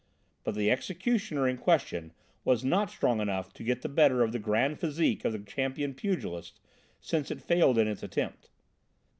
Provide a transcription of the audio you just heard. But the 'executioner' in question was not strong enough to get the better of the grand physique of the champion pugilist, since it failed in its attempt.